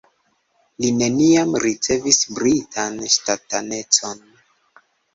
Li neniam ricevis britan ŝtatanecon.